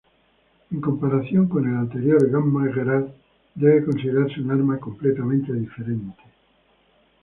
En comparación con el anterior Gamma-Gerät, debe considerarse un arma completamente diferente.